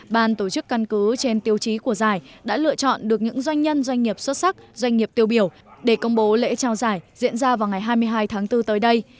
bàn tổ chức căn cứ trên tiêu chí của giải đã lựa chọn được những doanh nhân doanh nghiệp xuất sắc doanh nghiệp tiêu biểu để công bố lễ trao giải diễn ra vào ngày hai mươi hai tháng bốn tới đây